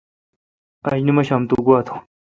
آج نمشام تو گوا تھون۔